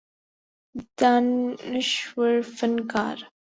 دانشور فنکار